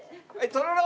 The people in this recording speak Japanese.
とろろ！